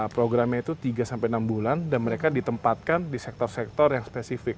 programnya itu tiga sampai enam bulan dan mereka ditempatkan di sektor sektor yang spesifik